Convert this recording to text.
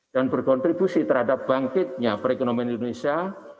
dan berkontribusi terhadap bangkitnya perekonomian indonesia